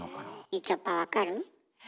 みちょぱわかる？え？